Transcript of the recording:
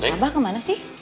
abah kemana sih